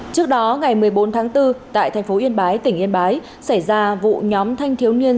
trước đó ngày một mươi bốn tháng bốn tại tp yên bái tp yên bái xảy ra vụ nhóm thanh thiếu niên